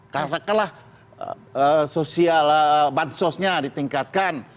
karena setelah social bansosnya ditingkatkan